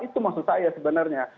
itu maksud saya sebenarnya